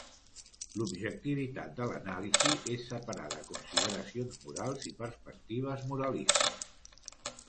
L'objectivitat de l'anàlisi es separa de consideracions morals i perspectives moralistes.